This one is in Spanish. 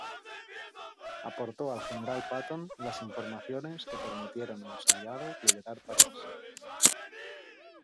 Aportó al General Patton las informaciones que permitieron a los aliados liberar París.